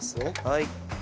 はい。